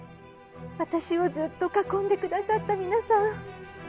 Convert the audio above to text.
私をずっと囲んで下さった皆さん。